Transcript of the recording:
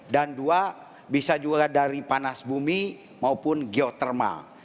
dan dua bisa juga dari panas bumi maupun geotermal